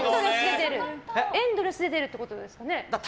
エンドレスで出るってことですかね？